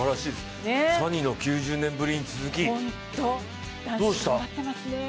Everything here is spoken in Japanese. サニの９０年ぶりに続き、どうした？